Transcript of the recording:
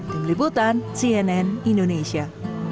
tim liputan cnn indonesia